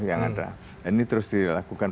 yang ada ini terus dilakukan